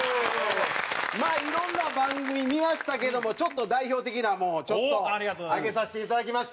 まあいろんな番組見ましたけどもちょっと代表的なものを挙げさせていただきました。